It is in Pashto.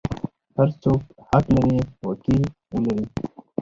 هر څوک حق لري وکیل ولري.